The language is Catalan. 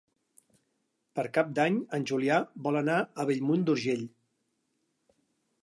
Per Cap d'Any en Julià vol anar a Bellmunt d'Urgell.